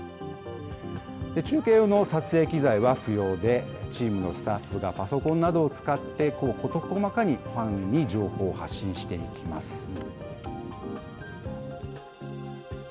中継用の撮影機材は不要で、チームのスタッフがパソコンなどを使って、事細かにファンに情報を発信していきます。